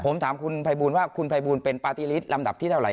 ผมถามคุณพายบูช์ว่าคุณพายบูช์เป็นประติฤทธิ์ลำดับที่เท่าไร